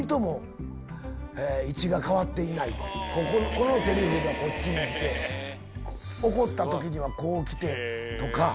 このセリフでこっちに来て怒った時にはこう来てとか。